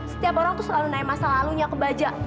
setiap orang tuh selalu nanya masalah alunya ke baja